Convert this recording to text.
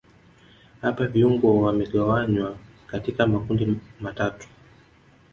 hapa viungo wamegawanywa katika makundi amtatu